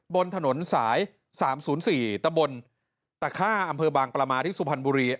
บนถนนสายสามศูนย์สี่ตะบนตะค่าอำเภอบางปรมาทที่สุพรรณบุรี